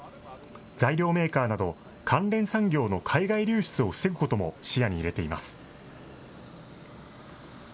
材料メーカーなど、関連産業の海外流出を防ぐことも視野に入れています。